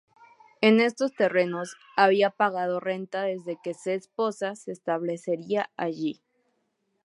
En estos terrenos había pagado renta desde que se esposa se estableciera allí.